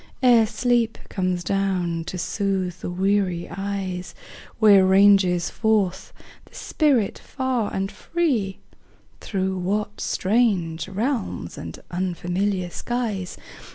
Ere sleep comes down to soothe the weary eyes, Where ranges forth the spirit far and free? Through what strange realms and unfamiliar skies.